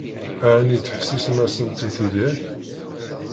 Ɛni tettḥessisem-asent i tidak?